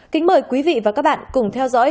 kính mời quý vị và các bạn cùng theo dõi